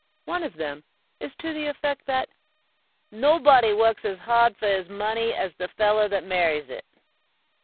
One of them is to the effect that "nobuddy works as hard for his money as the feller that marries it."